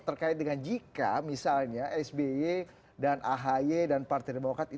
terkait dengan jika misalnya sby dan ahy dan partai demokrat